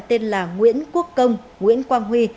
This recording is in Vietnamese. tên là nguyễn quốc công nguyễn quang huy